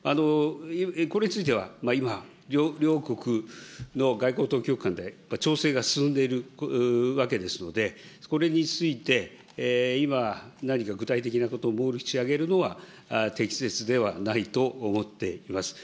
これについては、今、両国の外交当局間で、調整が進んでいるわけですので、それについて、今、何か具体的なことを申し上げるのは適切ではないと思っております。